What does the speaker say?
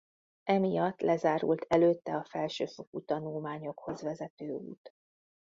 Emiatt lezárult előtte a felsőfokú tanulmányokhoz vezető út.